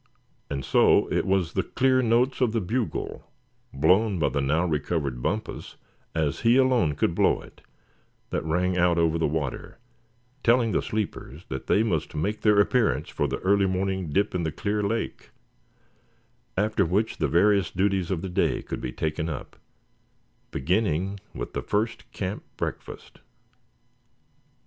And so it was the clear notes of the bugle, blown by the now recovered Bumpus, as he alone could blow it, that rang out over the water, telling the sleepers that they must make their appearance for the early morning dip in the clear lake, after which the various duties of the day could be taken up, beginning with the first camp breakfast.